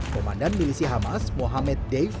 komandan milisi hamas mohamed day